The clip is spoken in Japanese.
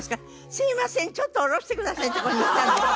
すいませんちょっと降ろしてくださいってこういうふうに言ったんです。